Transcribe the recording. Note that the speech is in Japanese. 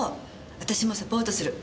私もサポートする。